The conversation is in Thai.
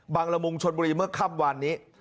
ละมุงชนบุรีเมื่อค่ำวานนี้